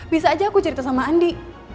bisa aja aku cerita sama andi